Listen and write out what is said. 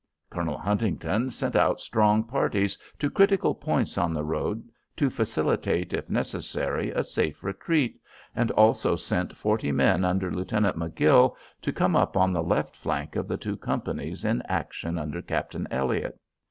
Colonel Huntington sent out strong parties to critical points on the road to facilitate, if necessary, a safe retreat, and also sent forty men under Lieutenant Magill to come up on the left flank of the two companies in action under Captain Elliott.